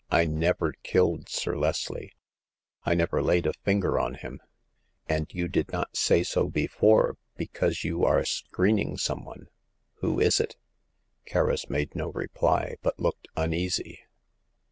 I never killed Sir Leslie ; I never laid a finger on him." And you did not say so before because you are screening some one. Who is it ?" Kerris made no reply, but looked uneasy.